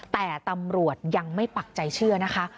แต่ตำรวจยังไม่ปักใจเชื่อนะคะ